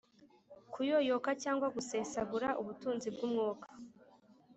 Kuyoyoka cyangwa gusesagura ubutunzi bw'Umwuka,